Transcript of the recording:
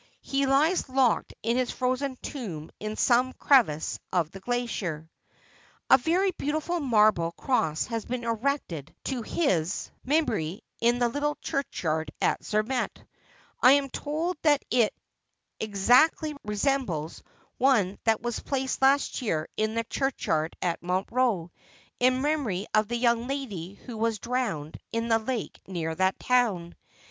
He lies locked in his frozen tomb in some crevasse of the glacier. 'A very beautiful marble cross has been erected to his ^ Sens Love hath brought us to this Piteous End.' 379 memory in the little churchyard at Zermatt. I am told that it exactly resembles one that was placed last year in the church yard at Montreux, in memory of the young lady who was drowned in the lake near that town.